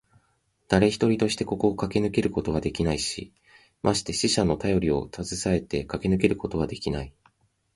だれ一人としてここをかけ抜けることはできないし、まして死者のたよりをたずさえてかけ抜けることはできない。